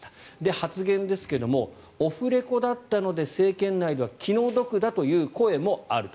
発言ですが、オフレコだったので政権内では気の毒だという声もあると。